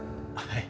はい。